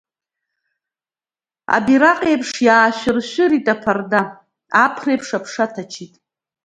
Абираҟ еиԥш иаашәыршәырит аԥарда, аԥреиԥ аԥша ҭачит.